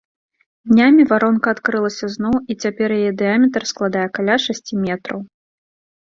Днямі варонка адкрылася зноў і цяпер яе дыяметр складае каля шасці метраў.